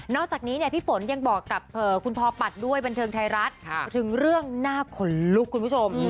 อกจากนี้พี่ฝนยังบอกกับคุณพอปัดด้วยบันเทิงไทยรัฐถึงเรื่องหน้าขนลุกคุณผู้ชม